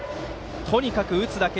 とにかく打つだけ。